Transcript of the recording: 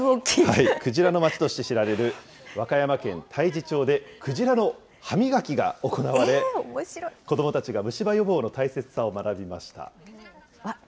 クジラの町として知られる、和歌山県太地町で、クジラの歯磨きが行われ、子どもたちが虫歯予防の大切さを学びました。